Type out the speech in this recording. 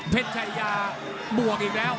เพชยายับบวกอีกแล้ว